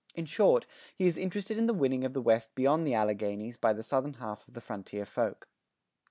In short, he is interested in the winning of the West beyond the Alleghanies by the southern half of the frontier folk.